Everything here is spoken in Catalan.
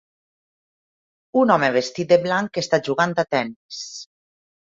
Un home vestit de blanc està jugant a tennis.